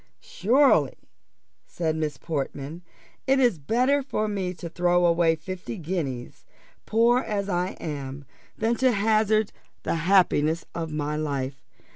"Surely," said Miss Portman, "it is better for me to throw away fifty guineas, poor as I am, than to hazard the happiness of my life.